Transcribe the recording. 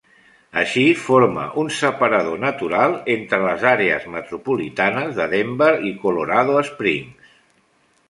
Així, forma un separador natural entre les àrees metropolitanes de Denver i Colorado Springs.